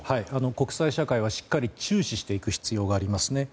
国際社会はしっかり注視していく必要がありますね。